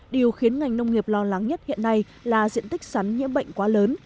điều khiến ngành nông nghiệp lo lắng nhất hiện nay là diện tích sắn nhiễm bệnh quá lớn